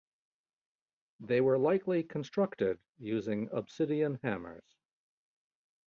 They were likely constructed using obsidian hammers.